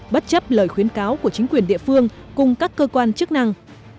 bất chấp lời khuyến cáo của chính quyền địa phương cùng các cơ quan chức năng